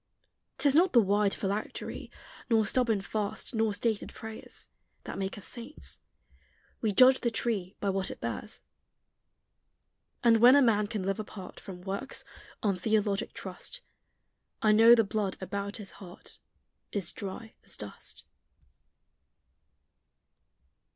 'Tis not the wide phylactery, Nor stubborn fast, nor stated prayers, That make us saints: we judge the tree By what it bears. And when a man can live apart From works, on theologic trust, I know the blood about his heart Is dry as dust.